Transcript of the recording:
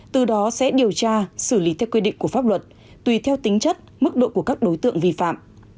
từ đó sẽ điều tra xử lý theo quy định của pháp luật tùy theo tính chất mức độ của các đối tượng vi phạm